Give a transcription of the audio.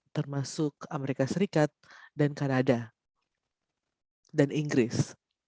termasuk amerika serikat dan kanada dan inggris